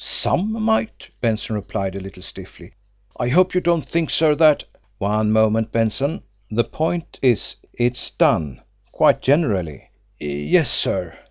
"SOME might," Benson replied, a little stiffly. "I hope you don't think, sir, that " "One moment, Benson. The point is, it's done quite generally?" "Yes, sir."